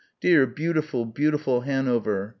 dear beautiful, beautiful Hanover